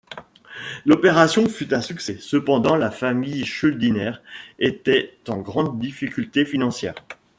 L'opération fut un succès, cependant la famille Schuldiner était en grande difficulté financière.